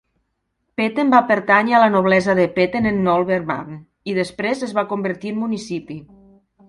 Petten va pertànyer a la noblesa de Petten en Nolmerban, i després es va convertir en municipi.